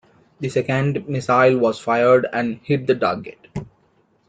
The second missile was fired and hit the target.